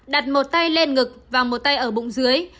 đặt một tay lên ngực và một tay ở bụng dưới